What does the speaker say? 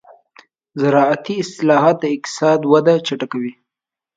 زراعتي اصلاحات د اقتصاد وده چټکوي.